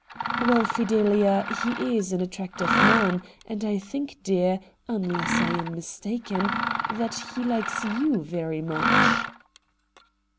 'Well, Fidelia, he is an attractive man, and I think, dear, unless I am mistaken, that lie likes you very much.'